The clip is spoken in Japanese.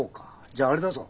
じゃあれだぞ。